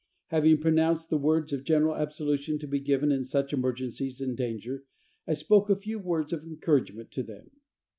Having pronounced the words of general absolution to be given in such emergencies and danger, I spoke a few words of encouragement to them.